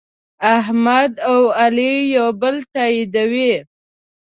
احمد او علي یو بل تأییدوي.